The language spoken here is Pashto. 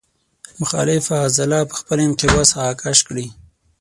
مخالفه عضله په خپل انقباض هغه کش کړي.